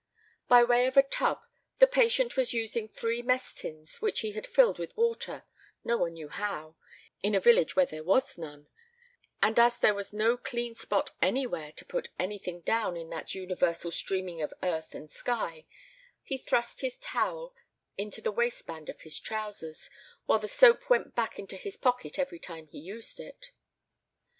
By way of a tub, the patient was using three mess tins which he had filled with water no one knew how in a village where there was none; and as there was no clean spot anywhere to put anything down in that universal streaming of earth and sky, he thrust his towel into the waistband of his trousers, while the soap went back into his pocket every time he used it.